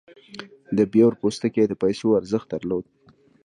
د بیور پوستکی د پیسو ارزښت درلود.